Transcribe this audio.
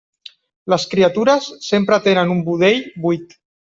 Les criatures sempre tenen un budell buit.